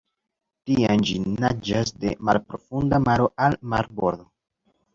Tiam ĝi naĝas de malprofunda maro al marbordo.